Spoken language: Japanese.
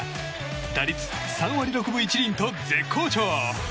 打率３割６分１厘と絶好調。